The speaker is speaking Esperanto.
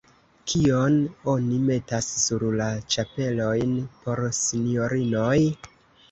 Kion oni metas sur la ĉapelojn por sinjorinoj?